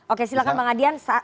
oke silahkan bang adian